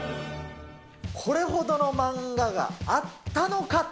これほどの漫画があったのか。